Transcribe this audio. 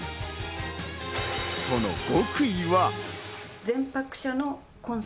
その極意は。